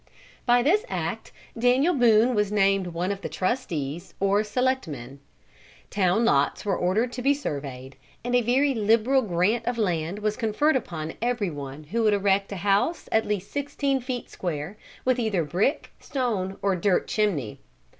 By this act Daniel Boone was named one of the trustees or selectmen. Town lots were ordered to be surveyed, and a very liberal grant of land was conferred upon every one who would erect a house at least sixteen feet square, with either brick, stone, or dirt chimney.